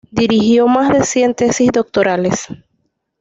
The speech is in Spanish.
Dirigió más de cien tesis doctorales.